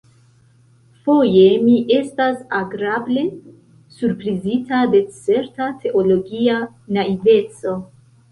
Foje mi estas agrable surprizita de certa teologia naiveco.